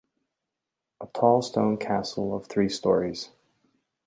A tall stone castle of three storeys.